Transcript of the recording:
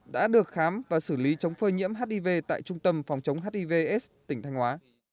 đã được khám và xử lý chống phơi nhiễm hiv tại trung tâm phòng chống hivs tỉnh thanh hóa